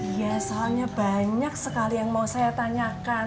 iya soalnya banyak sekali yang mau saya tanyakan